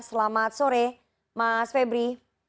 selamat sore mas febri